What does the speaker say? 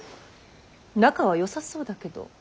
仲はよさそうだけど。